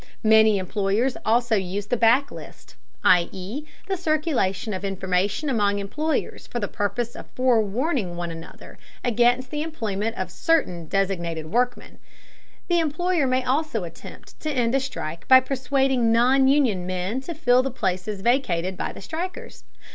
Many employers also use the blacklist, i.e. the circulation of information among employers for the purpose of forewarning one another against the employment of certain designated workmen. The employer may also attempt to end a strike by persuading non union men to fill the places vacated by the strikers.